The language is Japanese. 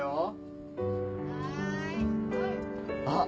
あっ！